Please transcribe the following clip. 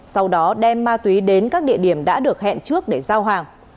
sau đó đem ma túy đến các địa điểm đã được hẹn trước để giao hàng